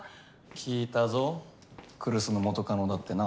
聞いたぞ来栖の元カノだってな。